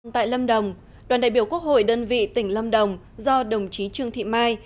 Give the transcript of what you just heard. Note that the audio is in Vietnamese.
tại lâm đồng đoàn đại biểu quốc hội đơn vị tỉnh lâm đồng do đồng chí trương thị mai